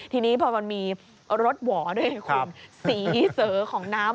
ทีนี้พอมันมีรถหว่อด้วยไงคุณสีเสอของน้ำ